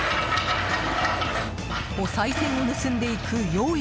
おさい銭を盗んでいく用意